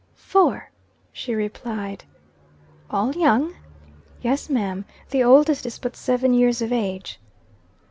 "Four," she replied. "All young?" "Yes ma'am. The oldest is but seven years of age."